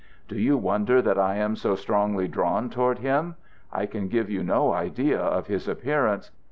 Do you wonder that I am so strongly drawn towards him? I can give you no idea of his appearance.